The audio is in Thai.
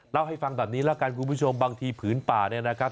เล่าให้ฟังแบบนี้แล้วกันคุณผู้ชมบางทีผืนป่าเนี่ยนะครับ